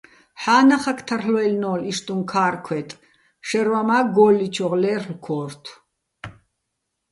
ჰ̦ა́ნახაკ თარლ'ვაჲლნო́ლო̆ იშტუჼ ქარქვეტ, შაჲრვაჼ მა გო́ლლიჩოღ ლე́რლ'ო̆ ქო́რთო̆.